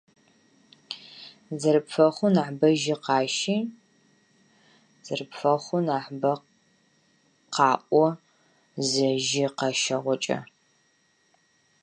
Набери как можно больше воздуха и проговори как можно больше на этом одном дыхании.